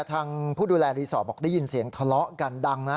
ทางผู้ดูแลรีสอร์ทบอกได้ยินเสียงทะเลาะกันดังนะ